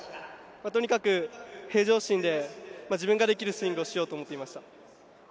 とにかく平常心で自分ができるスイングをしようと思っていました。